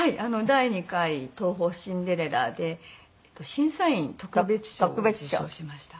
第２回東宝シンデレラで審査員特別賞を受賞しました。